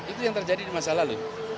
itu yang terjadi di masa lalu